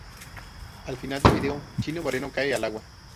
Al final del video, Chino Moreno cae al agua.